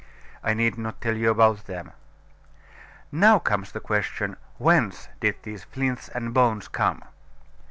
I need not tell you about them. Now comes the question Whence did these flints and bones come?